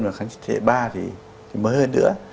và kháng chiến thế hệ ba thì mới hơn nữa